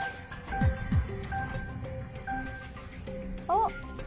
あっ。